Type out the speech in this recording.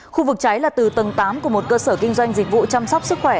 khu vực cháy là từ tầng tám của một cơ sở kinh doanh dịch vụ chăm sóc sức khỏe